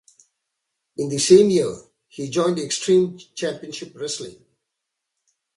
In the same year he joined Extreme Championship Wrestling.